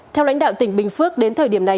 theo lãnh đạo tỉnh bình phước đến thời điểm này